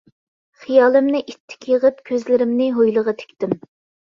خىيالىمنى ئىتتىك يىغىپ كۆزلىرىمنى ھويلىغا تىكتىم.